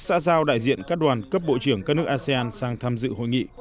xã giao đại diện các đoàn cấp bộ trưởng các nước asean sang tham dự hội nghị